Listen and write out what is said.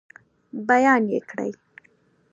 بیان یې کړئ.